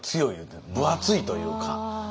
分厚いというか。